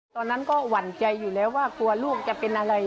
ตอนนั้นก็หวั่นใจอยู่แล้วว่ากลัวลูกจะเป็นอะไร